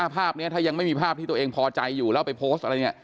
ภาพนี้ถ้ายังไม่มีภาพที่ตัวเองพอใจอยู่แล้วไปโพสต์อะไรเนี่ย